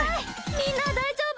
みんな大丈夫？